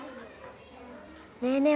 ねえねえ